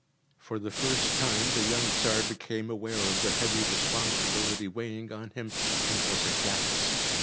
For the first time the young Tsar became aware of the heavy responsibility weighing on him, and was aghast.